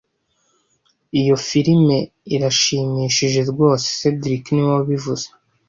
Iyo firime irashimishije rwose cedric niwe wabivuze